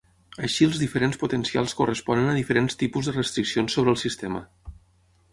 Així els diferents potencials corresponen a diferents tipus de restriccions sobre el sistema.